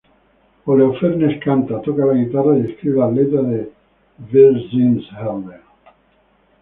Holofernes canta, toca la guitarra y escribe las letras de Wir sind Helden.